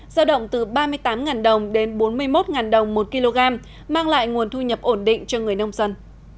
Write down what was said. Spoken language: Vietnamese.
giao động từ ba mươi tám đồng đến bốn mươi một đồng một kg mang lại nguồn thu nhập ổn định cho người nông dân